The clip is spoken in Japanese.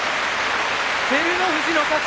照ノ富士の勝ち。